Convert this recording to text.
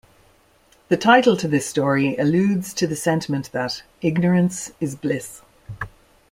The title to this story alludes to the sentiment that ignorance is bliss.